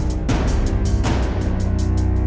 dengan bucket putri itu